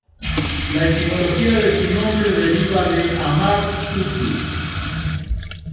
La etimología de su nombre deriva de "amar-Utu".